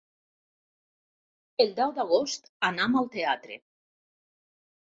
El deu d'agost anam al teatre.